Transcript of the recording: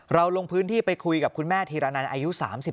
ลงพื้นที่ไปคุยกับคุณแม่ธีรนันอายุ๓๓